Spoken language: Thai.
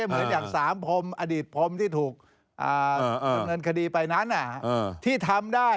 เหมือนอย่างสามพรมอดีตพรมที่ถูกดำเนินคดีไปนั้นที่ทำได้